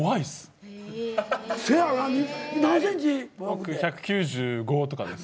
僕１９５とかです。